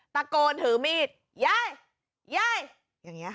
ตะโกนถือมีดยายยายอย่างนี้ค่ะ